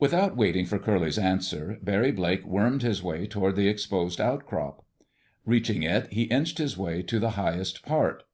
Without waiting for Curly's answer, Barry Blake wormed his way toward the exposed outcrop. Reaching it, he inched his way to the highest part.